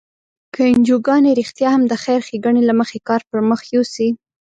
که انجوګانې رښتیا هم د خیر ښیګڼې له مخې کار پر مخ یوسي.